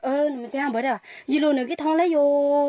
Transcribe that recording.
เธอเอิ้นมันแจ้งไปแล้วยินดูหนึ่งกี่ทั้งแล้วโย